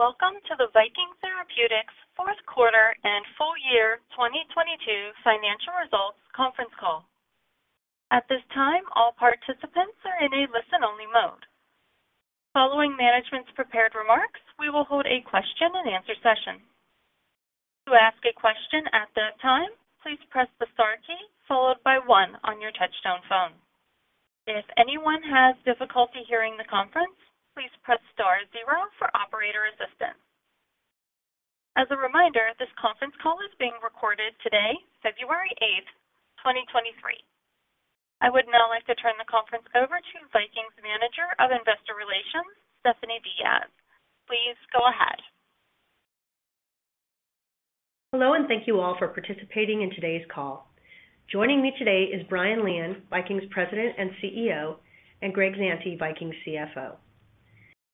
Welcome to the Viking Therapeutics Q4 and full year 2022 financial results conference call. At this time, all participants are in a listen-only mode. Following management's prepared remarks, we will hold a question-and-answer session. To ask a question at that time, please press the star key followed by 1 on your touchtone phone. If anyone has difficulty hearing the conference, please press star 0 for operator assistance. As a reminder, this conference call is being recorded today, February eighth, 2023. I would now like to turn the conference over to Viking's Manager of Investor Relations, Stephanie Diaz. Please go ahead. Hello, and thank you all for participating in today's call. Joining me today is Brian Lian, Viking's President and CEO, and Greg Zante, Viking's CFO.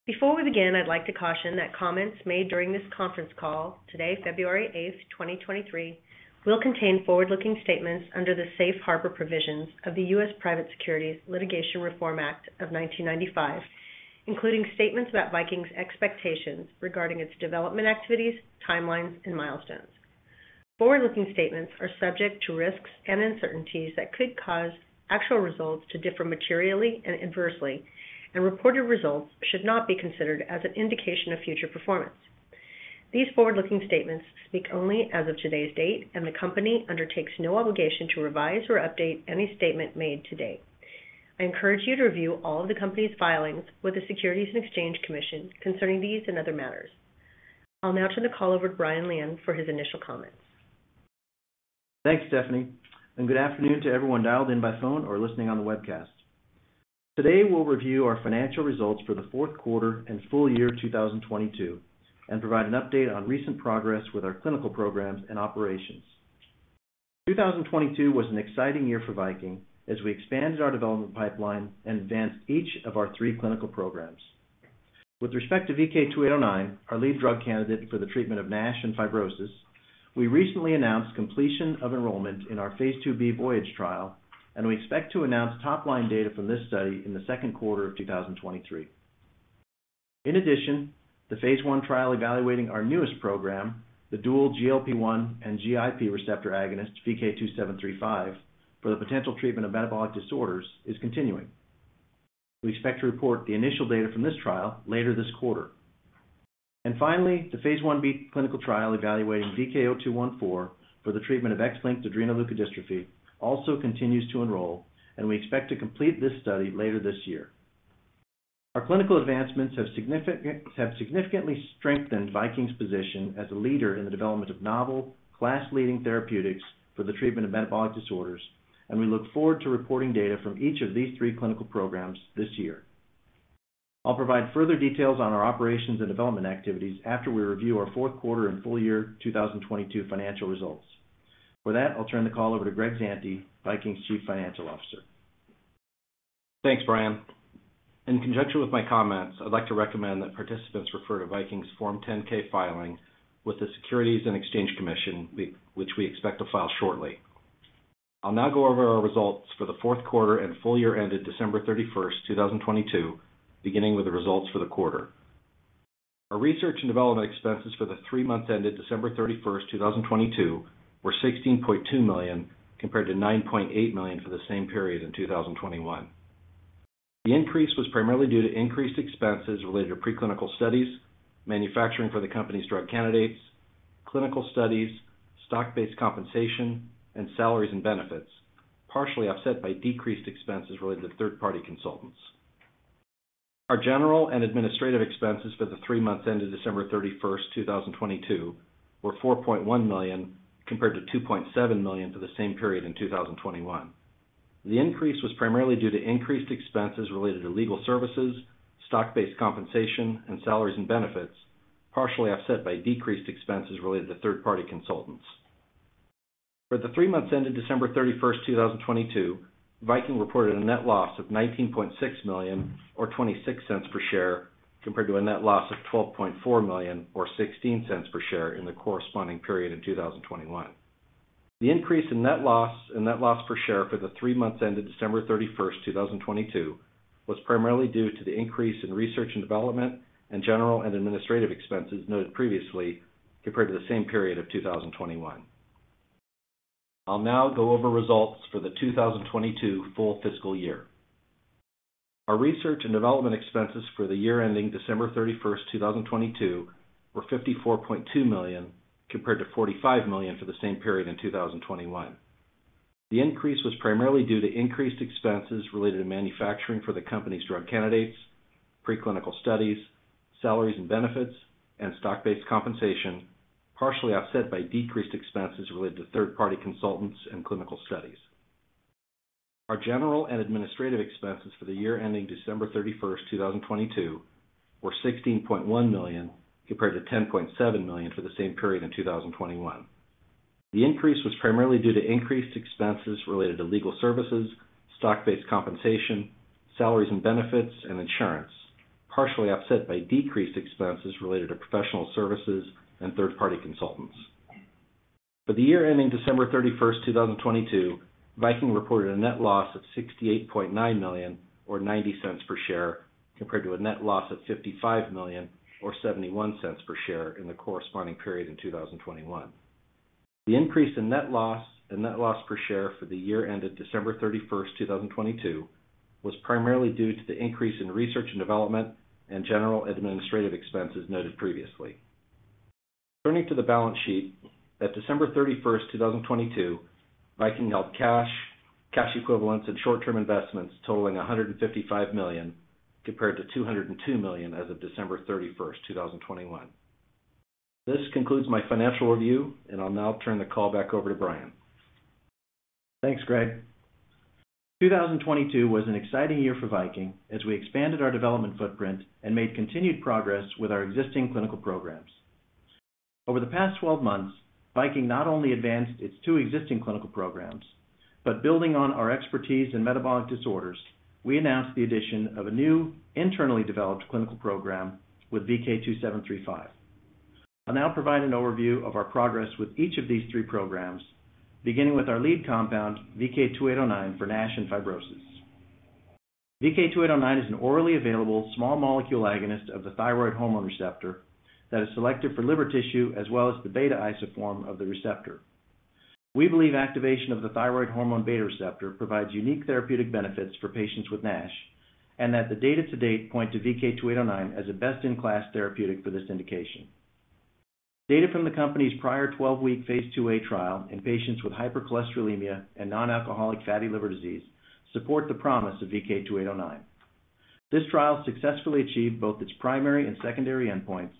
Before we begin, I'd like to caution that comments made during this conference call today, February 8, 2023, will contain forward-looking statements under the Safe Harbor Provisions of the U.S. Private Securities Litigation Reform Act of 1995, including statements about Viking's expectations regarding its development activities, timelines, and milestones. Forward-looking statements are subject to risks and uncertainties that could cause actual results to differ materially and adversely, and reported results should not be considered as an indication of future performance. These forward-looking statements speak only as of today's date, and the company undertakes no obligation to revise or update any statement made today. I encourage you to review all of the company's filings with the Securities and Exchange Commission concerning these and other matters. I'll now turn the call over to Brian Lian for his initial comments. Thanks, Stephanie. Good afternoon to everyone dialed in by phone or listening on the webcast. Today, we'll review our financial results for the Q4 and full year 2022 and provide an update on recent progress with our clinical programs and operations. 2022 was an exciting year for Viking as we expanded our development pipeline and advanced each of our three clinical programs. With respect to VK2809, our lead drug candidate for the treatment of NASH and fibrosis, we recently announced completion of enrollment in our phase 2/B VOYAGE trial, and we expect to announce top-line data from this study in the Q2 of 2023. In addition, the phase 1 trial evaluating our newest program, the dual GLP-1 and GIP receptor agonist, VK2735, for the potential treatment of metabolic disorders, is continuing. We expect to report the initial data from this trial later this quarter. Finally, the phase 1/B clinical trial evaluating VK0214 for the treatment of X-linked adrenoleukodystrophy also continues to enroll, and we expect to complete this study later this year. Our clinical advancements have significantly strengthened Viking's position as a leader in the development of novel, class-leading therapeutics for the treatment of metabolic disorders, and we look forward to reporting data from each of these 3 clinical programs this year. I'll provide further details on our operations and development activities after we review our Q4 and full year 2022 financial results. For that, I'll turn the call over to Greg Zante, Viking's Chief Financial Officer. Thanks, Brian. In conjunction with my comments, I'd like to recommend that participants refer to Viking's Form 10-K filing with the Securities and Exchange Commission which we expect to file shortly. I'll now go over our results for the Q4 and full year ended December 31, 2022, beginning with the results for the quarter. Our research and development expenses for the three months ended December 31, 2022, were $16.2 million, compared to $9.8 million for the same period in 2021. The increase was primarily due to increased expenses related to preclinical studies, manufacturing for the company's drug candidates, clinical studies, stock-based compensation, and salaries and benefits, partially offset by decreased expenses related to third-party consultants. Our general and administrative expenses for the three months ended December 31st, 2022 were $4.1 million, compared to $2.7 million for the same period in 2021. The increase was primarily due to increased expenses related to legal services, stock-based compensation, and salaries and benefits, partially offset by decreased expenses related to third-party consultants. For the three months ended December 31st, 2022, Viking reported a net loss of $19.6 million, or $0.26 per share, compared to a net loss of $12.4 million, or $0.16 per share, in the corresponding period in 2021. The increase in net loss and net loss per share for the three months ended December 31, 2022 was primarily due to the increase in research and development and general and administrative expenses noted previously compared to the same period of 2021. I'll now go over results for the 2022 full fiscal year. Our research and development expenses for the year ending December 31, 2022 were $54.2 million, compared to $45 million for the same period in 2021. The increase was primarily due to increased expenses related to manufacturing for the company's drug candidates, preclinical studies, salaries and benefits, and stock-based compensation, partially offset by decreased expenses related to third-party consultants and clinical studies. Our general and administrative expenses for the year ending December 31st, 2022 were $16.1 million, compared to $10.7 million for the same period in 2021. The increase was primarily due to increased expenses related to legal services, stock-based compensation, salaries and benefits, and insurance, partially offset by decreased expenses related to professional services and third-party consultants. For the year ending December 31st, 2022, Viking reported a net loss of $68.9 million or $0.90 per share, compared to a net loss of $55 million or $0.71 per share in the corresponding period in 2021. The increase in net loss and net loss per share for the year ended December 31st, 2022 was primarily due to the increase in research and development and general administrative expenses noted previously. Turning to the balance sheet at December 31, 2022, Viking held cash equivalents and short-term investments totaling $155 million, compared to $202 million as of December 31, 2021. This concludes my financial review. I'll now turn the call back over to Brian. Thanks, Greg. 2022 was an exciting year for Viking as we expanded our development footprint and made continued progress with our existing clinical programs. Over the past 12 months, Viking not only advanced its 2 existing clinical programs, but building on our expertise in metabolic disorders, we announced the addition of a new internally developed clinical program with VK2735. I'll now provide an overview of our progress with each of these 3 programs, beginning with our lead compound, VK2809 for NASH and fibrosis. VK2809 is an orally available small molecule agonist of the thyroid hormone receptor that is selected for liver tissue as well as the beta isoform of the receptor. We believe activation of the thyroid hormone beta receptor provides unique therapeutic benefits for patients with NASH, and that the data to date point to VK2809 as a best in class therapeutic for this indication. Data from the company's prior 12-week phase 2/A trial in patients with hypercholesterolemia and nonalcoholic fatty liver disease support the promise of VK2809. This trial successfully achieved both its primary and secondary endpoints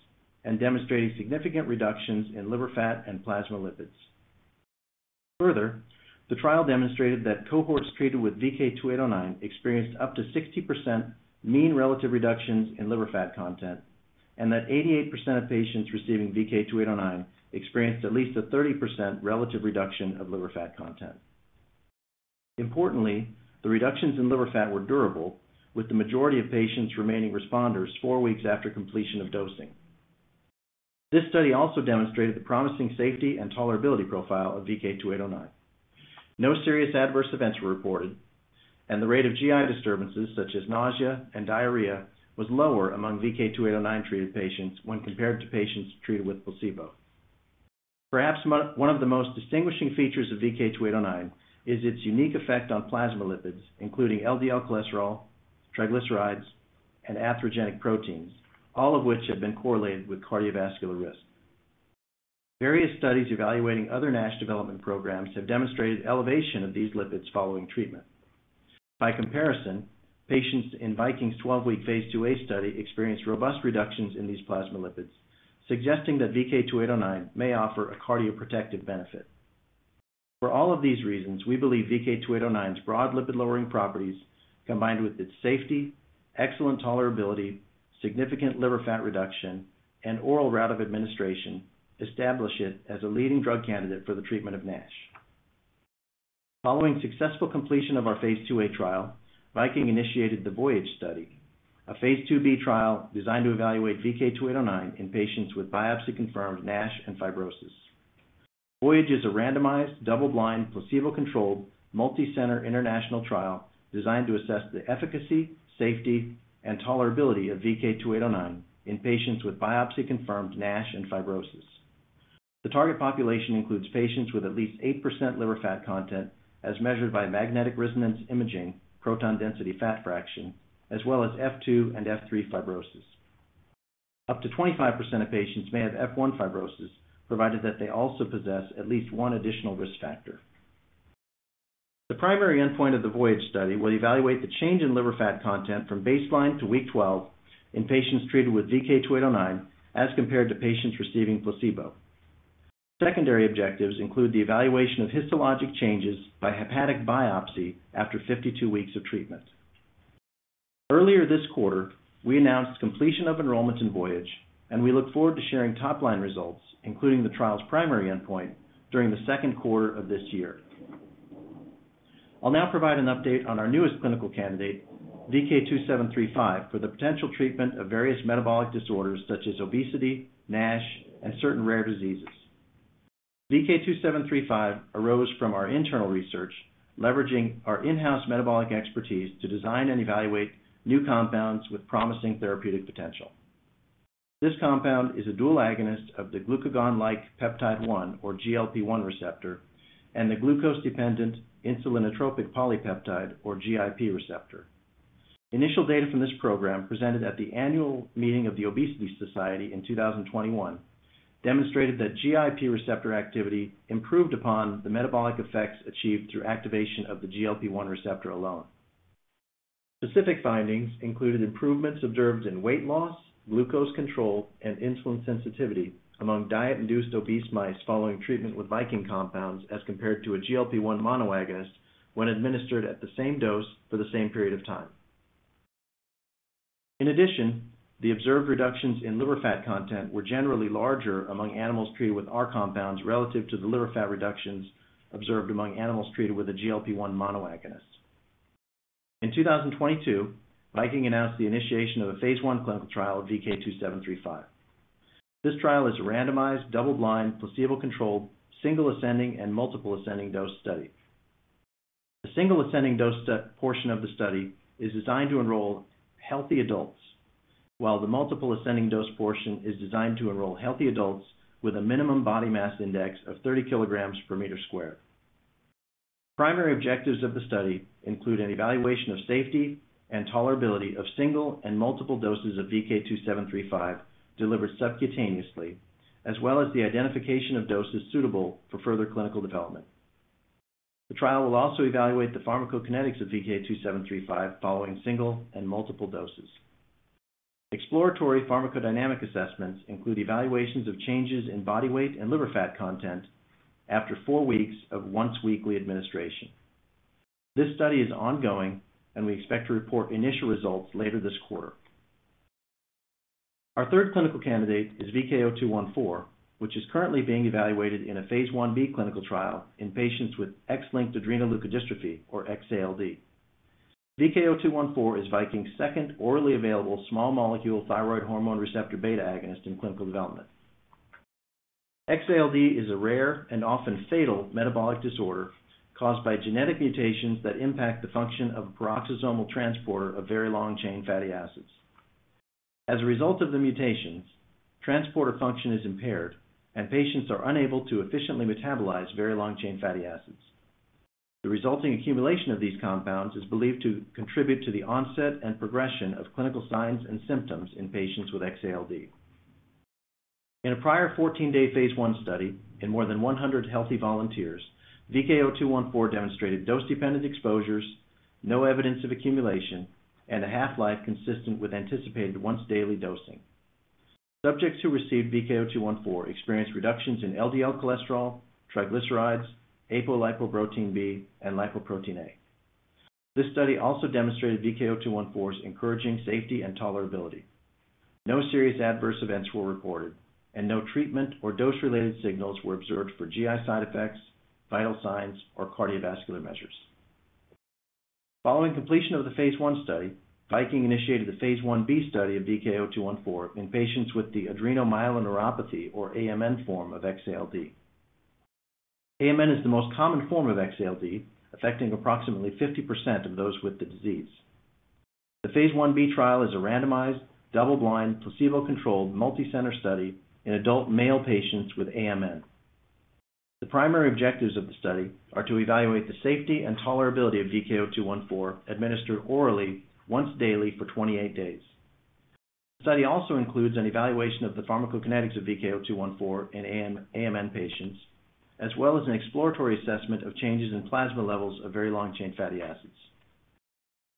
and demonstrated significant reductions in liver fat and plasma lipids. Further, the trial demonstrated that cohorts treated with VK2809 experienced up to 60% mean relative reductions in liver fat content, and that 88% of patients receiving VK2809 experienced at least a 30% relative reduction of liver fat content. Importantly, the reductions in liver fat were durable with the majority of patients remaining responders 4 weeks after completion of dosing. This study also demonstrated the promising safety and tolerability profile of VK2809. No serious adverse events were reported, and the rate of GI disturbances such as nausea and diarrhea was lower among VK2809 treated patients when compared to patients treated with placebo. Perhaps one of the most distinguishing features of VK2809 is its unique effect on plasma lipids, including LDL cholesterol, triglycerides, and atherogenic proteins, all of which have been correlated with cardiovascular risk. Various studies evaluating other NASH development programs have demonstrated elevation of these lipids following treatment. By comparison, patients in Viking's 12-week phase 2/A study experienced robust reductions in these plasma lipids, suggesting that VK2809 may offer a cardioprotective benefit. For all of these reasons, we believe VK2809's broad lipid lowering properties, combined with its safety, excellent tolerability, significant liver fat reduction, and oral route of administration, establish it as a leading drug candidate for the treatment of NASH. Following successful completion of our phase 2/A trial, Viking initiated the VOYAGE study, a phase 2/B trial designed to evaluate VK2809 in patients with biopsy-confirmed NASH and fibrosis. VOYAGE is a randomized, double-blind, placebo-controlled, multi-center international trial designed to assess the efficacy, safety, and tolerability of VK2809 in patients with biopsy-confirmed NASH and fibrosis. The target population includes patients with at least 8% liver fat content as measured by magnetic resonance imaging, proton density fat fraction, as well as F2 and F3 fibrosis. Up to 25% of patients may have F1 fibrosis, provided that they also possess at least one additional risk factor. The primary endpoint of the VOYAGE study will evaluate the change in liver fat content from baseline to week 12 in patients treated with VK2809 as compared to patients receiving placebo. Secondary objectives include the evaluation of histologic changes by hepatic biopsy after 52 weeks of treatment. Earlier this quarter, we announced completion of enrollment in VOYAGE. We look forward to sharing top line results, including the trial's primary endpoint during the Q2 of this year. I'll now provide an update on our newest clinical candidate, VK2735 for the potential treatment of various metabolic disorders such as obesity, NASH, and certain rare diseases. VK2735 arose from our internal research, leveraging our in-house metabolic expertise to design and evaluate new compounds with promising therapeutic potential. This compound is a dual agonist of the glucagon-like peptide 1 or GLP-1 receptor and the glucose-dependent insulinotropic polypeptide or GIP receptor. Initial data from this program presented at the annual meeting of The Obesity Society in 2021 demonstrated that GIP receptor activity improved upon the metabolic effects achieved through activation of the GLP-1 receptor alone. Specific findings included improvements observed in weight loss, glucose control, and insulin sensitivity among diet-induced obese mice following treatment with Viking compounds as compared to a GLP-1 monoagonist when administered at the same dose for the same period of time. In addition, the observed reductions in liver fat content were generally larger among animals treated with our compounds relative to the liver fat reductions observed among animals treated with a GLP-1 monoagonist. In 2022, Viking announced the initiation of a phase 1 clinical trial of VK2735. This trial is a randomized, double-blind, placebo-controlled, single ascending and multiple ascending dose study. The single ascending dose portion of the study is designed to enroll healthy adults, while the multiple ascending dose portion is designed to enroll healthy adults with a minimum body mass index of 30 kilograms per meter squared. Primary objectives of the study include an evaluation of safety and tolerability of single and multiple doses of VK2735 delivered subcutaneously, as well as the identification of doses suitable for further clinical development. The trial will also evaluate the pharmacokinetics of VK2735 following single and multiple doses. Exploratory pharmacodynamic assessments include evaluations of changes in body weight and liver fat content after four weeks of once-weekly administration. This study is ongoing, and we expect to report initial results later this quarter. Our third clinical candidate is VK0214, which is currently being evaluated in a phase 1/B clinical trial in patients with X-linked adrenoleukodystrophy, or XALD. VK0214 is Viking's second orally available small molecule thyroid hormone receptor beta agonist in clinical development. XALD is a rare and often fatal metabolic disorder caused by genetic mutations that impact the function of peroxisomal transporter of very long-chain fatty acids. As a result of the mutations, transporter function is impaired, and patients are unable to efficiently metabolize very long-chain fatty acids. The resulting accumulation of these compounds is believed to contribute to the onset and progression of clinical signs and symptoms in patients with XALD. In a prior 14-day phase 1 study in more than 100 healthy volunteers, VK0214 demonstrated dose-dependent exposures, no evidence of accumulation, and a half-life consistent with anticipated once-daily dosing. Subjects who received VK0214 experienced reductions in LDL cholesterol, triglycerides, apolipoprotein B, and lipoprotein(a). This study also demonstrated VK0214's encouraging safety and tolerability. No serious adverse events were reported, and no treatment or dose-related signals were observed for GI side effects, vital signs, or cardiovascular measures. Following completion of the phase 1 study, Viking initiated the phase 1/B study of VK0214 in patients with the adrenomyeloneuropathy, or AMN, form of XALD. AMN is the most common form of X-ALD, affecting approximately 50% of those with the disease. The phase 1b trial is a randomized, double-blind, placebo-controlled, multi-center study in adult male patients with AMN. The primary objectives of the study are to evaluate the safety and tolerability of VK0214 administered orally once daily for 28 days. The study also includes an evaluation of the pharmacokinetics of VK0214 in AMN patients, as well as an exploratory assessment of changes in plasma levels of very long-chain fatty acids.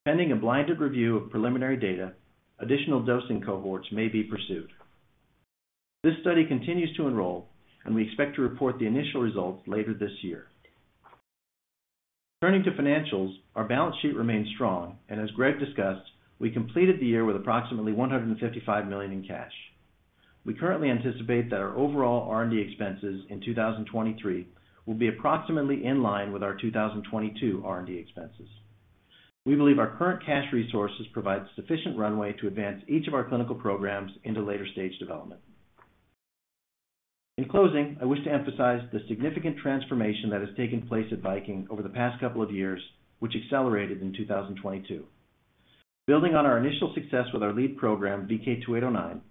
Pending a blinded review of preliminary data, additional dosing cohorts may be pursued. This study continues to enroll, and we expect to report the initial results later this year. Our balance sheet remains strong, and as Greg discussed, we completed the year with approximately $155 million in cash. We currently anticipate that our overall R&D expenses in 2023 will be approximately in line with our 2022 R&D expenses. We believe our current cash resources provide sufficient runway to advance each of our clinical programs into later-stage development. In closing, I wish to emphasize the significant transformation that has taken place at Viking over the past couple of years, which accelerated in 2022. Building on our initial success with our lead program, VK2809,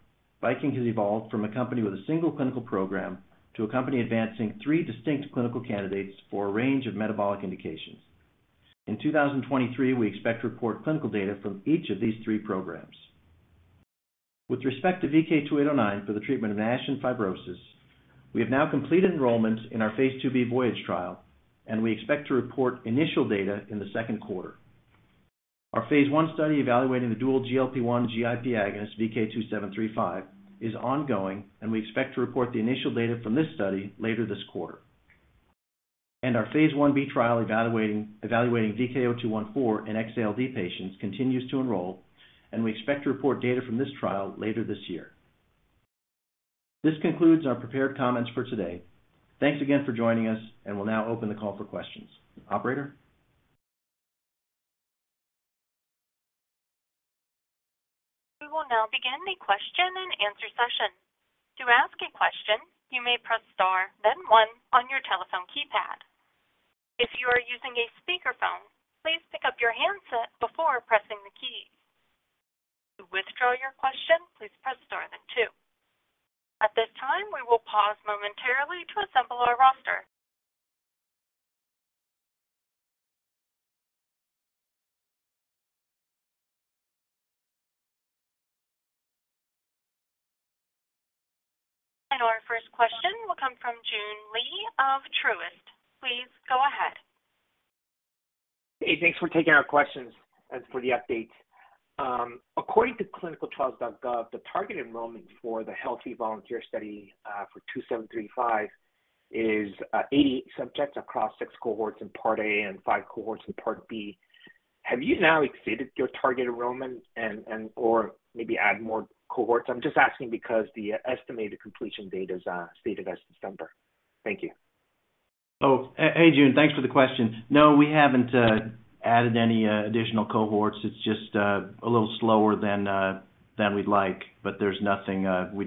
Viking has evolved from a company with a single clinical program to a company advancing 3 distinct clinical candidates for a range of metabolic indications. In 2023, we expect to report clinical data from each of these 3 programs. With respect to VK2809 for the treatment of NASH and fibrosis, we have now completed enrollment in our phase 2/B VOYAGE trial. We expect to report initial data in the Q2. Our phase 1 study evaluating the dual GLP-1 GIP agonist, VK2735, is ongoing. We expect to report the initial data from this study later this quarter. Our phase 1/B trial evaluating VK0214 in XALD patients continues to enroll, and we expect to report data from this trial later this year. This concludes our prepared comments for today. Thanks again for joining us, and we'll now open the call for questions. Operator? We will now begin a question-and-answer session. To ask a question, you may press star then 1 on your telephone keypad. If you are using a speakerphone, please pick up your handset before pressing the key. To withdraw your question, please press star then 2. At this time, we will pause momentarily to assemble our roster. Our first question will come from Joon Lee of Truist. Please go ahead. Hey, thanks for taking our questions and for the update. According to ClinicalTrials.gov, the target enrollment for the healthy volunteer study for VK2735 is 80 subjects across 6 cohorts in Part A and 5 cohorts in Part B. Have you now exceeded your target enrollment and, or maybe add more cohorts? I'm just asking because the estimated completion date is stated as December. Thank you. Oh, hey, Joon. Thanks for the question. No, we haven't added any additional cohorts. It's just a little slower than we'd like. There's nothing we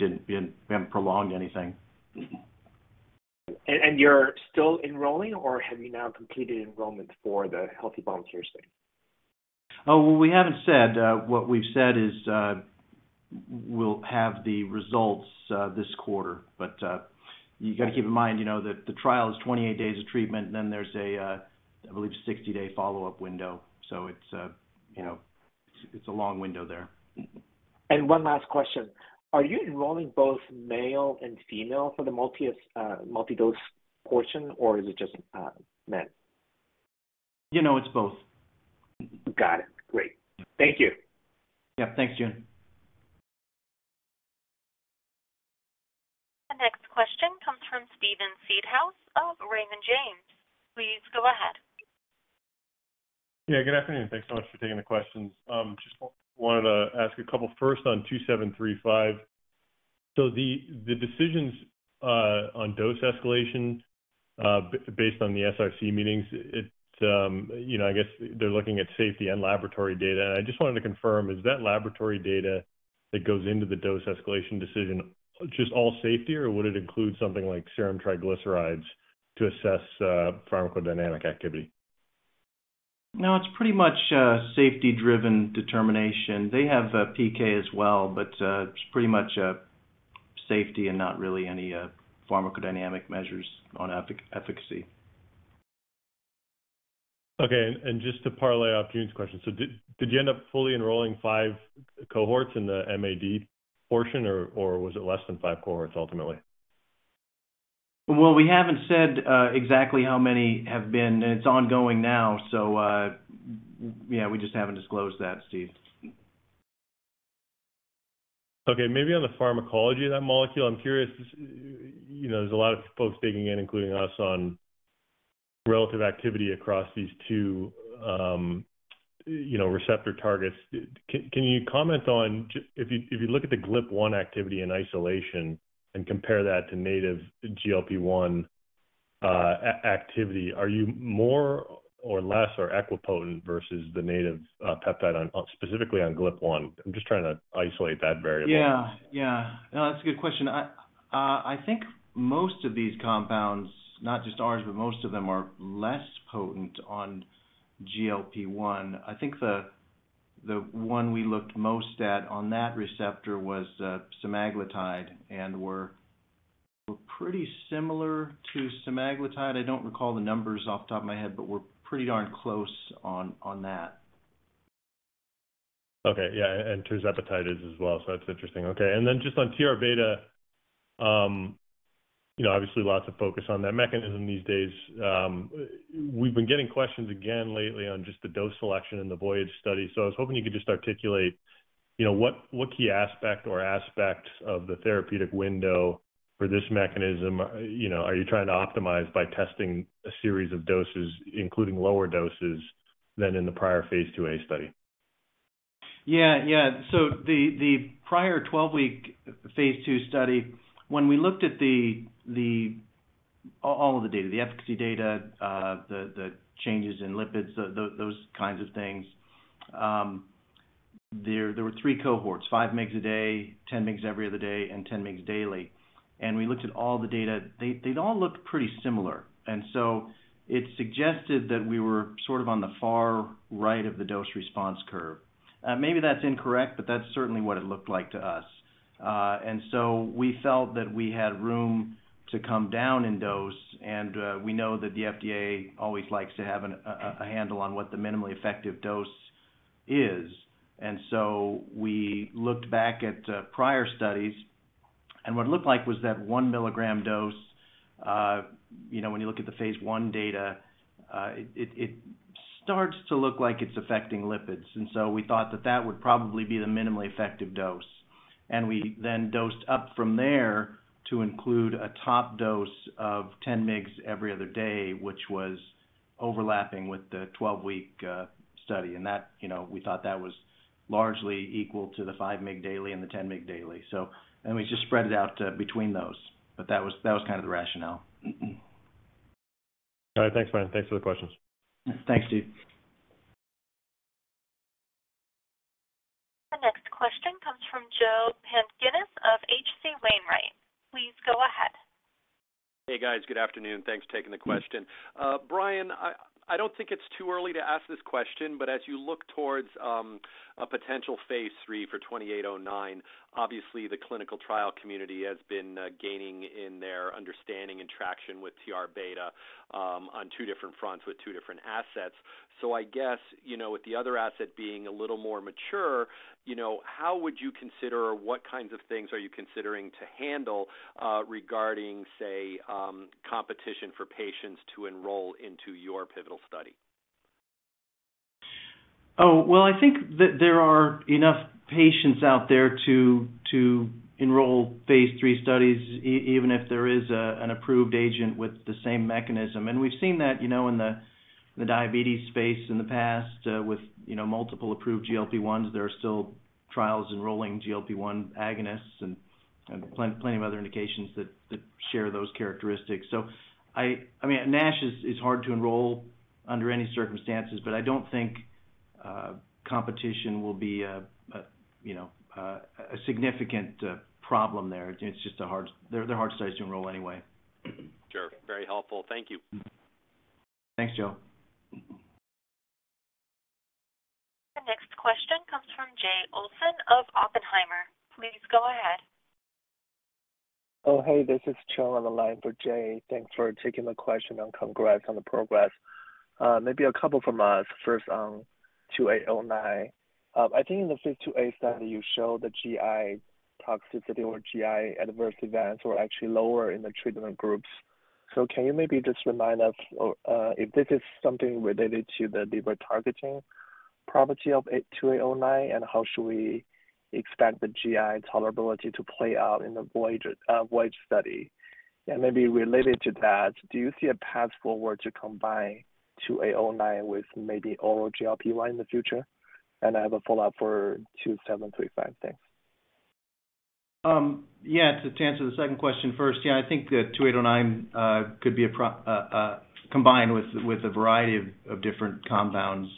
haven't prolonged anything. Mm-hmm. You're still enrolling, or have you now completed enrollment for the healthy volunteers study? Well, we haven't said. What we've said is, we'll have the results this quarter. You gotta keep in mind, you know, that the trial is 28 days of treatment, and then there's a, I believe 60-day follow-up window. It's, you know, it's a long window there. Mm-hmm. One last question. Are you enrolling both male and female for the multi-dose portion, or is it just men? You know, it's both. Got it. Great. Thank you. Yeah. Thanks, Joon. The next question comes from Steven Seedhouse of Raymond James. Please go ahead. Good afternoon. Thanks so much for taking the questions. Just wanted to ask a couple first on VK2735. The decisions, based on the SRC meetings, it's, you know, I guess they're looking at safety and laboratory data. I just wanted to confirm, is that laboratory data that goes into the dose escalation decision, just all safety, or would it include something like serum triglycerides to assess, pharmacodynamic activity? No, it's pretty much a safety-driven determination. They have PK as well, but it's pretty much safety and not really any pharmacodynamic measures on efficacy. Okay. Just to parlay off June's question. Did you end up fully enrolling five cohorts in the MAD portion, or was it less than five cohorts ultimately? We haven't said exactly how many have been. It's ongoing now. Yeah, we just haven't disclosed that, Steve. Okay. Maybe on the pharmacology of that molecule, I'm curious, you know, there's a lot of folks digging in, including us, on relative activity across these two, you know, receptor targets. Can you comment on if you look at the GLP-1 activity in isolation and compare that to native GLP-1, activity, are you more or less or equipotent versus the native, peptide on, specifically on GLP-1? I'm just trying to isolate that variable. Yeah. Yeah. That's a good question. I think most of these compounds, not just ours, but most of them are less potent on GLP-1. I think the one we looked most at on that receptor was semaglutide, and we're pretty similar to semaglutide. I don't recall the numbers off the top of my head, but we're pretty darn close on that. Okay. Yeah. Tirzepatide is as well, so that's interesting. Okay. Then just on TR-beta, you know, obviously lots of focus on that mechanism these days. We've been getting questions again lately on just the dose selection in the VOYAGE study. I was hoping you could just articulate, you know, what key aspect or aspects of the therapeutic window for this mechanism, you know, are you trying to optimize by testing a series of doses, including lower doses than in the prior phase 2/A study? Yeah. Yeah. The prior 12-week phase 2 study, when we looked at all of the data, the efficacy data, the changes in lipids, those kinds of things, there were 3 cohorts, 5 mg a day, 10 mg every other day, and 10 mg daily. We looked at all the data. They'd all looked pretty similar. It suggested that we were sort of on the far right of the dose response curve. Maybe that's incorrect, but that's certainly what it looked like to us. We felt that we had room to come down in dose, and we know that the FDA always likes to have a handle on what the minimally effective dose is. We looked back at prior studies, and what it looked like was that 1 milligram dose, you know, when you look at the phase 1 data, it, it starts to look like it's affecting lipids. We thought that that would probably be the minimally effective dose. We then dosed up from there to include a top dose of 10 mgs every other day, which was overlapping with the 12-week study. That, you know, we thought that was largely equal to the 5 mg daily and the 10 mg daily. We just spread it out between those. That was, that was kind of the rationale. All right. Thanks, Brian. Thanks for the questions. Thanks, Steve. The next question comes from Joe Pantginis of H.C. Wainwright & Co. Please go ahead. Hey, guys. Good afternoon. Thanks for taking the question. Brian, I don't think it's too early to ask this question, but as you look towards a potential phase 3 for VK2809, obviously the clinical trial community has been gaining in their understanding and traction with TR-beta on two different fronts with two different assets. I guess, you know, with the other asset being a little more mature, you know, how would you consider, or what kinds of things are you considering to handle regarding, say, competition for patients to enroll into your pivotal study? Well, I think that there are enough patients out there to enroll phase 3 studies even if there is an approved agent with the same mechanism. We've seen that, you know, in the diabetes space in the past, with, you know, multiple approved GLP-1s. There are still trials enrolling GLP-1 agonists. Plenty of other indications that share those characteristics. I mean, NASH is hard to enroll under any circumstances, but I don't think competition will be a, you know, a significant problem there. It's just a hard. They're hard studies to enroll anyway. Sure. Very helpful. Thank you. Thanks, Joe. The next question comes from Jay Olson of Oppenheimer. Please go ahead. Hey, this is Chung on the line for Jay. Thanks for taking the question and congrats on the progress. Maybe a couple from us. First on VK2809. I think in the phase 2/A study, you show the GI toxicity or GI adverse events were actually lower in the treatment groups. Can you maybe just remind us or if this is something related to the liver targeting property of VK2809, and how should we expect the GI tolerability to play out in the VOYAGE study? Maybe related to that, do you see a path forward to combine VK2809 with maybe oral GLP-1 in the future? I have a follow-up for VK2735. Thanks. Yeah. To answer the second question first. Yeah, I think the VK2809 could be combined with a variety of different compounds.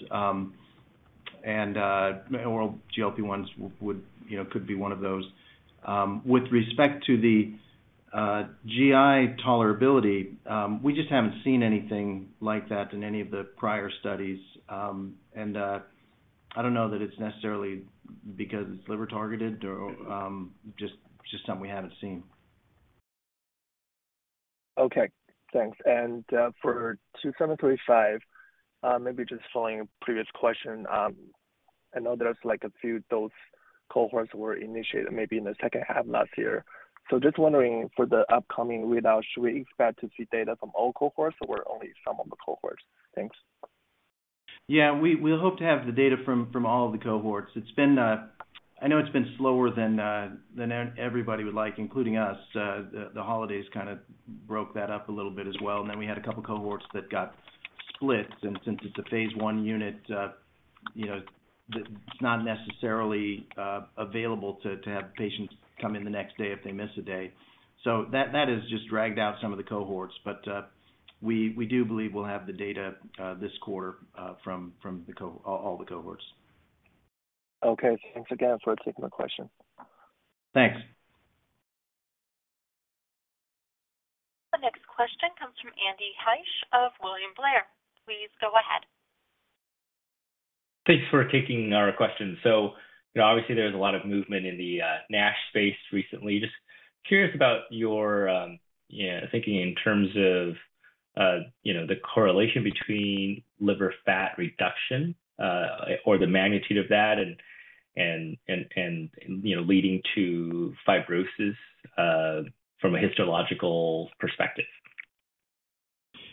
Oral GLP-1s would, you know, could be one of those. With respect to the GI tolerability, we just haven't seen anything like that in any of the prior studies. I don't know that it's necessarily because it's liver targeted or just something we haven't seen. Okay, thanks. For VK2735, maybe just following a previous question. I know there's like a few dose cohorts were initiated maybe in the second half last year. Just wondering, for the upcoming readout, should we expect to see data from all cohorts or only some of the cohorts? Thanks. Yeah. We hope to have the data from all of the cohorts. It's been... I know it's been slower than everybody would like, including us. The holidays kind of broke that up a little bit as well, and then we had a couple cohorts that got split. Since it's a phase 1 unit, you know, it's not necessarily available to have patients come in the next day if they miss a day. So that has just dragged out some of the cohorts. We do believe we'll have the data this quarter from all the cohorts. Okay, thanks again for taking my question. Thanks. The next question comes from Andy Hsieh of William Blair. Please go ahead. Thanks for taking our question. You know, obviously there's a lot of movement in the NASH space recently. Just curious about your, yeah, thinking in terms of, you know, the correlation between liver fat reduction, or the magnitude of that and, you know, leading to fibrosis from a histological perspective?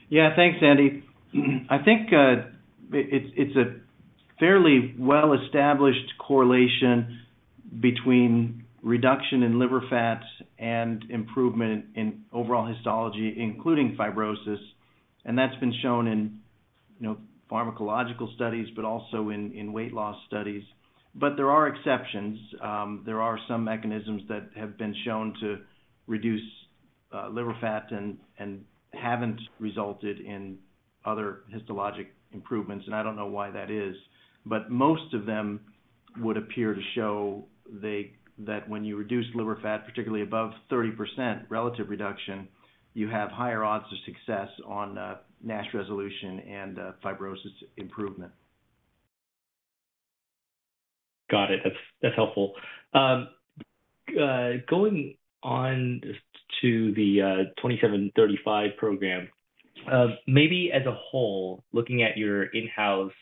Yeah. Thanks, Andy. I think it's a fairly well-established correlation between reduction in liver fat and improvement in overall histology, including fibrosis, and that's been shown in, you know, pharmacological studies, but also in weight loss studies. There are exceptions. There are some mechanisms that have been shown to reduce liver fat and haven't resulted in other histologic improvements, and I don't know why that is. Most of them would appear to show that when you reduce liver fat, particularly above 30% relative reduction, you have higher odds of success on NASH resolution and fibrosis improvement. Got it. That's, that's helpful. Going on to the VK2735 program. Maybe as a whole, looking at your in-house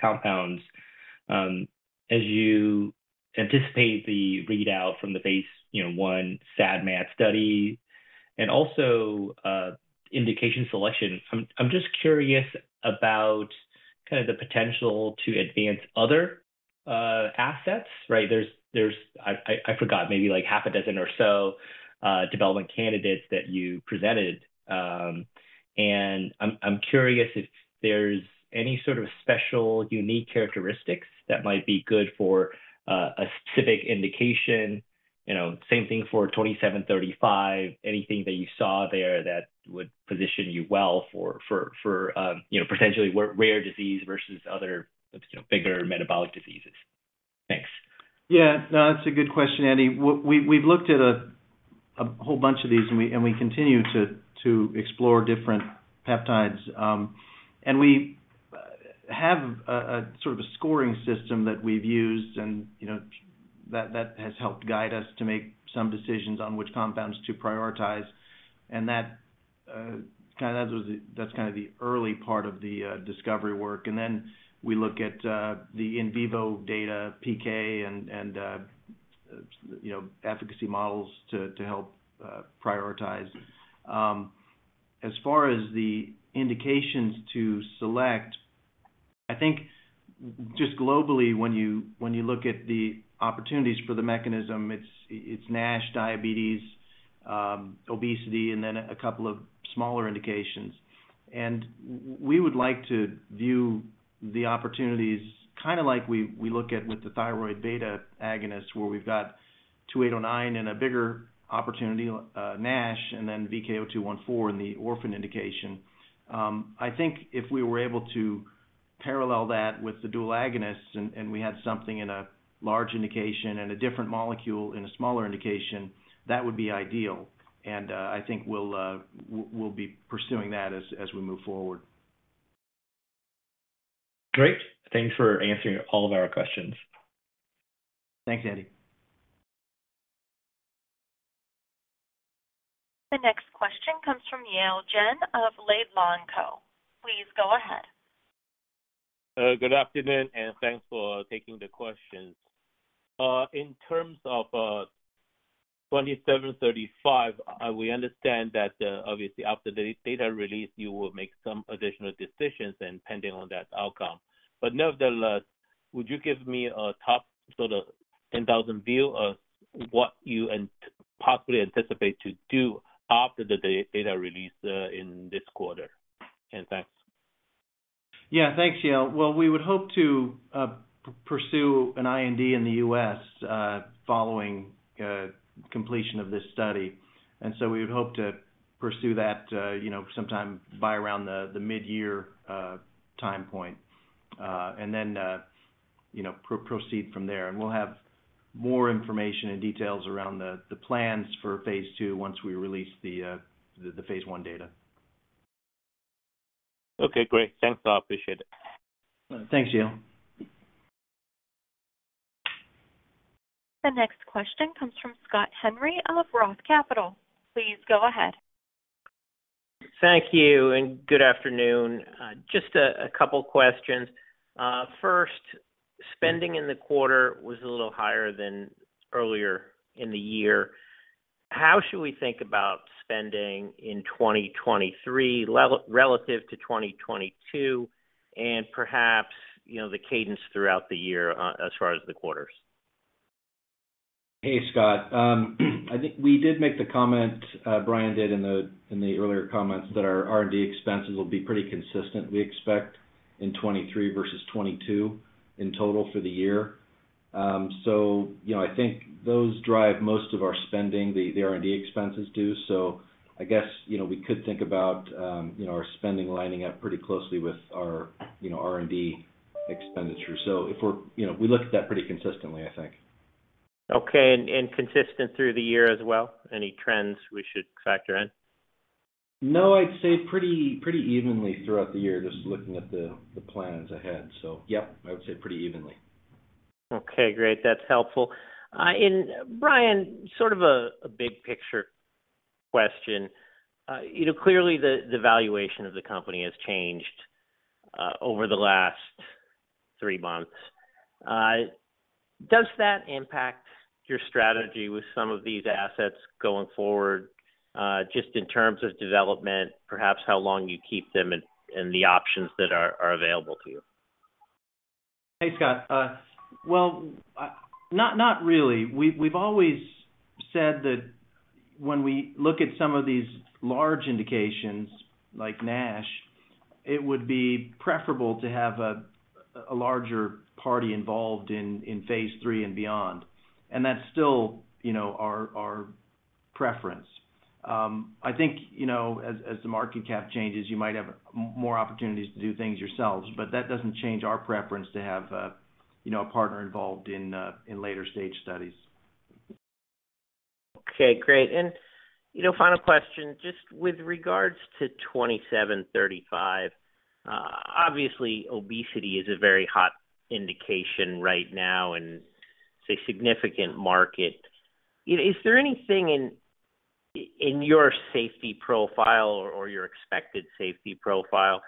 compounds, as you anticipate the readout from the phase, you know, 1 SAD MAD study and also indication selection, I'm just curious about kind of the potential to advance other assets, right? There's I forgot, maybe like half a dozen or so development candidates that you presented. I'm curious if there's any sort of special, unique characteristics that might be good for a specific indication. You know, same thing for VK2735. Anything that you saw there that would position you well for, for, you know, potentially rare disease versus other, you know, bigger metabolic diseases? Thanks. No, that's a good question, Andy. We've looked at a whole bunch of these, and we continue to explore different peptides. We have a sort of a scoring system that we've used and, you know, that has helped guide us to make some decisions on which compounds to prioritize. That's kind of the early part of the discovery work. We look at the in vivo data PK and, you know, efficacy models to help prioritize. As far as the indications to select, I think just globally, when you look at the opportunities for the mechanism, it's NASH, diabetes, obesity and then a couple of smaller indications. We would like to view the opportunities kind of like we look at with the thyroid receptor-beta agonist, where we've got VK2809 and a bigger opportunity, NASH, and then VK0214 in the orphan indication. I think if we were able to parallel that with the dual agonists and we had something in a large indication and a different molecule in a smaller indication, that would be ideal. I think we'll be pursuing that as we move forward. Great. Thanks for answering all of our questions. Thanks, Andy. The next question comes from Yale Jen of Laidlaw & Co. Please go ahead. Good afternoon, thanks for taking the questions. In terms of VK2735, we understand that obviously after the data release, you will make some additional decisions and pending on that outcome. Nevertheless, would you give me a top sort of 10,000 view of what you possibly anticipate to do after the data release in this quarter? Thanks. Yeah, thanks, Yale. We would hope to pursue an IND in the US, following completion of this study. We would hope to pursue that, you know, sometime by around the mid-year time point, then, you know, proceed from there. We'll have more information and details around the plans for phase 2 once we release the phase 1 data. Okay, great. Thanks. I appreciate it. Thanks, Yale. The next question comes from Scott Henry of Roth Capital. Please go ahead. Thank you. Good afternoon. Just a couple questions. First, spending in the quarter was a little higher than earlier in the year. How should we think about spending in 2023 relative to 2022 and perhaps, you know, the cadence throughout the year, as far as the quarters? Hey, Scott. I think we did make the comment, Brian did in the, in the earlier comments that our R&D expenses will be pretty consistent, we expect in 2023 versus 2022 in total for the year. you know, I think those drive most of our spending, the R&D expenses do. I guess, you know, we could think about, you know, our spending lining up pretty closely with our, you know, R&D expenditure. if we're, you know, we look at that pretty consistently, I think. Okay. Consistent through the year as well? Any trends we should factor in? I'd say pretty evenly throughout the year, just looking at the plans ahead. Yeah, I would say pretty evenly. Okay, great. That's helpful. Brian, sort of a big picture question. you know, clearly the valuation of the company has changed, over the last three months. Does that impact your strategy with some of these assets going forward, just in terms of development, perhaps how long you keep them and the options that are available to you? Hey, Scott. Well, not really. We've always said that when we look at some of these large indications like NASH, it would be preferable to have a larger party involved in phase 3 and beyond. That's still, you know, our preference. I think, you know, as the market cap changes, you might have more opportunities to do things yourselves. That doesn't change our preference to have, you know, a partner involved in later stage studies. Okay, great. You know, final question, just with regards to VK2735, obviously obesity is a very hot indication right now and it's a significant market. Is there anything in your safety profile or your expected safety profile that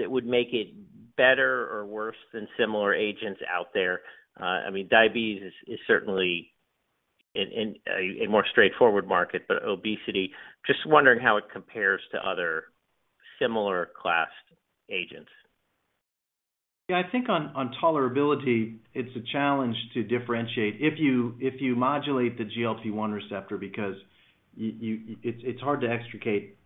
would make it better or worse than similar agents out there? I mean, diabetes is certainly in a more straightforward market, but obesity, just wondering how it compares to other similar class agents. I think on tolerability, it's a challenge to differentiate if you, if you modulate the GLP-1 receptor because it's hard to extricate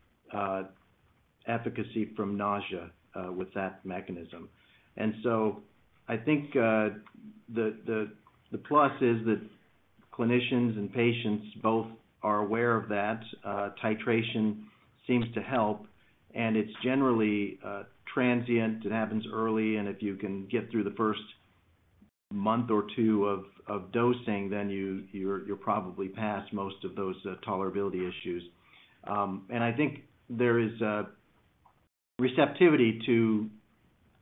efficacy from nausea with that mechanism. I think the plus is that clinicians and patients both are aware of that. Titration seems to help, and it's generally transient. It happens early, and if you can get through the first month or two of dosing, then you're probably past most of those tolerability issues. I think there is a receptivity to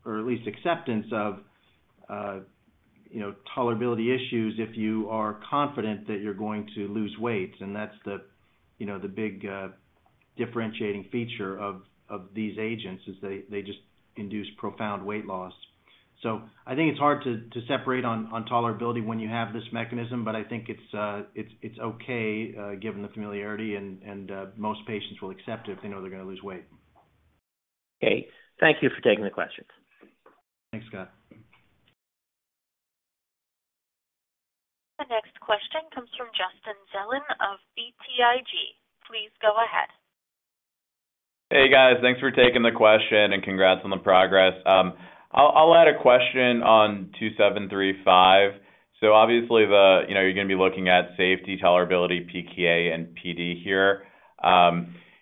or at least acceptance of, you know, tolerability issues if you are confident that you're going to lose weight. That's the, you know, the big differentiating feature of these agents, is they just induce profound weight loss. I think it's hard to separate on tolerability when you have this mechanism, but I think it's okay given the familiarity and most patients will accept it if they know they're gonna lose weight. Okay. Thank you for taking the questions. Thanks, Scott. The next question comes from Justin Zelin of BTIG. Please go ahead. Hey, guys. Thanks for taking the question and congrats on the progress. I'll add a question on 2735. Obviously the, you know, you're gonna be looking at safety, tolerability, PK, and PD here.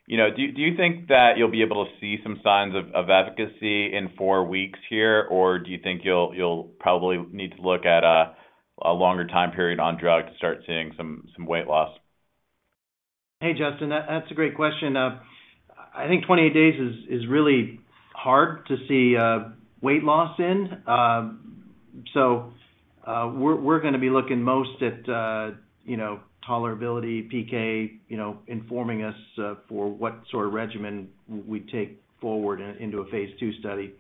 You know, do you think that you'll be able to see some signs of efficacy in 4 weeks here? Or do you think you'll probably need to look at a longer time period on drug to start seeing some weight loss? Hey, Justin. That's a great question. I think 20 days is really hard to see weight loss in. We're gonna be looking most at, you know, tolerability, PK, you know, informing us for what sort of regimen we take forward into a phase 2 study.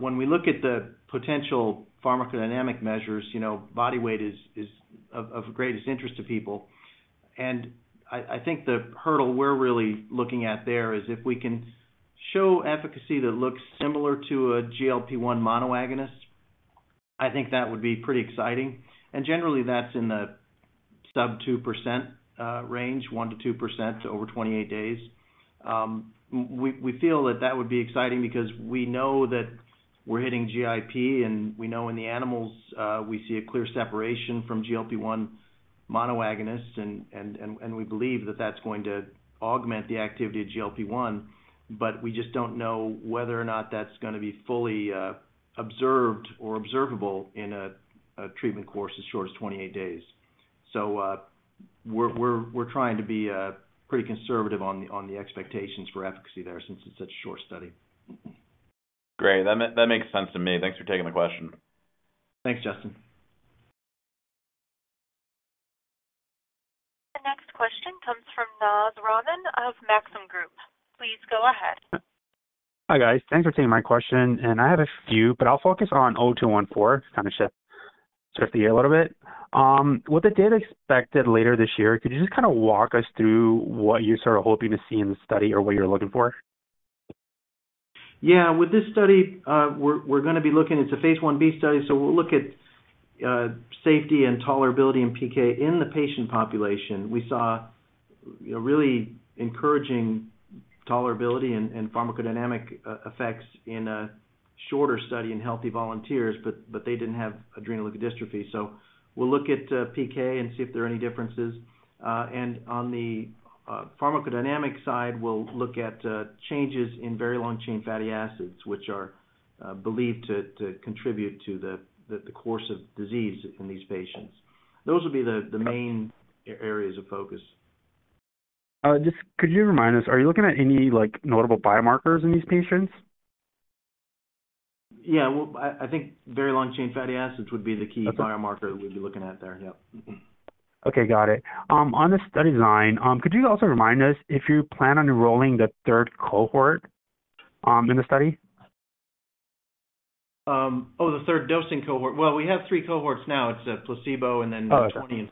When we look at the potential pharmacodynamic measures, you know, body weight is of greatest interest to people. I think the hurdle we're really looking at there is if we can show efficacy that looks similar to a GLP-1 monoagonist, I think that would be pretty exciting. Generally that's in the sub 2% range, 1%-2% over 28 days. We feel that that would be exciting because we know that we're hitting GIP and we know in the animals, we see a clear separation from GLP-1 monoagonist and we believe that that's going to augment the activity of GLP-1, but we just don't know whether or not that's gonna be fully observed or observable in a treatment course as short as 28 days. We're trying to be pretty conservative on the expectations for efficacy there since it's such a short study. Great. That makes sense to me. Thanks for taking the question. Thanks, Justin. The next question comes from Naz Rahman of Maxim Group. Please go ahead. Hi, guys. Thanks for taking my question, and I have a few, but I'll focus on VK0214, kind of shift the gear a little bit. With the data expected later this year, could you just kind of walk us through what you're sort of hoping to see in the study or what you're looking for? Yeah. With this study, we're gonna be looking. It's a phase 1/B study. We'll look at safety and tolerability and PK in the patient population. We saw, you know, really encouraging tolerability and pharmacodynamic effects in a shorter study in healthy volunteers, but they didn't have adrenal insufficiency. We'll look at PK and see if there are any differences. And on the pharmacodynamic side, we'll look at changes in very long-chain fatty acids, which are believed to contribute to the course of disease in these patients. Those will be the main areas of focus. Just could you remind us, are you looking at any, like, notable biomarkers in these patients? Yeah. Well, I think very long-chain fatty acids would be the key... Okay. biomarker we'd be looking at there. Yep. Mm-hmm. Okay. Got it. On the study design, could you also remind us if you plan on enrolling the third cohort in the study? Oh, the third dosing cohort. Well, we have three cohorts now. It's placebo and then. Got it. 20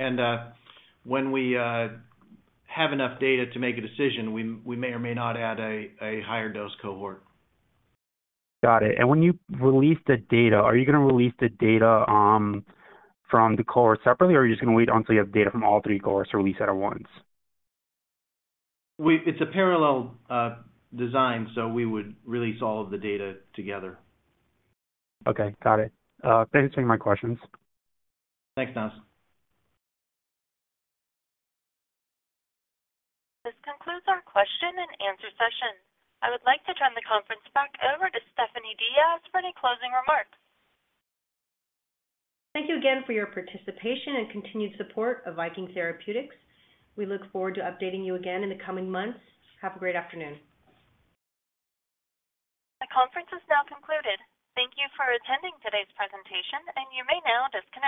and 40. When we have enough data to make a decision, we may or may not add a higher dose cohort. Got it. When you release the data, are you gonna release the data, from the cohorts separately, or are you just gonna wait until you have data from all 3 cohorts to release that at once? It's a parallel design, so we would release all of the data together. Okay. Got it. Thanks for taking my questions. Thanks, Naz. This concludes our question-and-answer session. I would like to turn the conference back over to Stephanie Diaz for any closing remarks. Thank you again for your participation and continued support of Viking Therapeutics. We look forward to updating you again in the coming months. Have a great afternoon. The conference is now concluded. Thank you for attending today's presentation, and you may now disconnect.